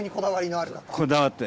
こだわって。